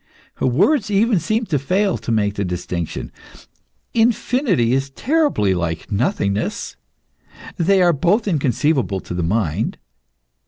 Words even seem to fail to make the distinction. Infinity is terribly like nothingness they are both inconceivable to the mind.